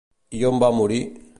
I on va morir?